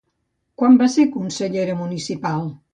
Quan va ser consellera municipal?